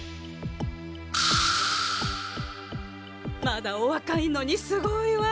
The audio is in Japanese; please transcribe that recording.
まだおわかいのにすごいわ！